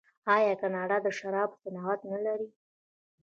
آیا کاناډا د شرابو صنعت نلري؟